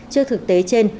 trước thực tế trên